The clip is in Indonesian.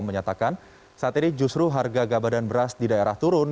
menyatakan saat ini justru harga gabah dan beras di daerah turun